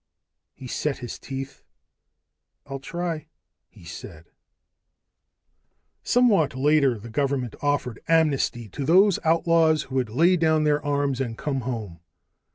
He set his teeth. "I'll try," he said. Somewhat later, the government offered amnesty to those outlaws who would lay down their arms and come home.